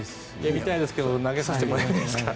見たいですけど投げさせてもらえないですから。